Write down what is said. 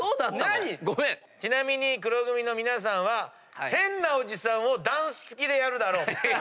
ちなみに黒組の皆さんは変なおじさんをダンス付きでやるだろうと。